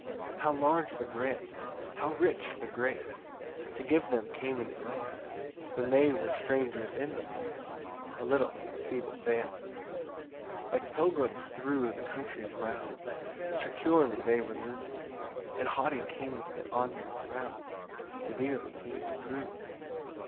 5 [How large the grant! how rich the grace! To give them Canaan's land, When they were strangers in the place, A little feeble band! 6 Like pilgrims thro' the countries round Securely they remov'd; And haughty kings that on them frown'd, Severely he reprov'd.